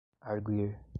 arguir